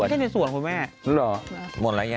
เดี๋ยวก่อนนะ